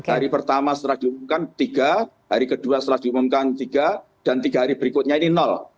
hari pertama setelah diumumkan tiga hari kedua setelah diumumkan tiga dan tiga hari berikutnya ini nol